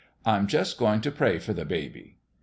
I'm just going to pray for the baby.